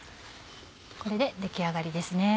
これで出来上がりですね。